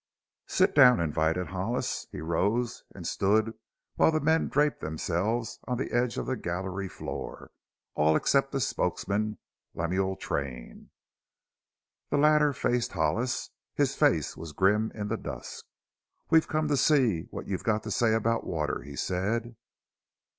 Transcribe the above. "Sit down," invited Hollis. He rose and stood while the men draped themselves on the edge of the gallery floor all except the spokesman, Lemuel Train. The latter faced Hollis. His face was grim in the dusk. "We've come to see what you've got to say about water," he said.